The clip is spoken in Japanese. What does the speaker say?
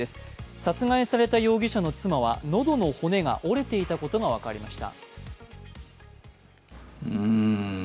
殺害された容疑者の妻は喉の骨が折れていたことが分かりました。